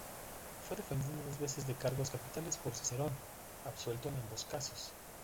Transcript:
Fue defendido dos veces de cargos capitales por Cicerón, absuelto en ambos casos.